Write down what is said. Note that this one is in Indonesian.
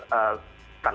jemaah yang datang ke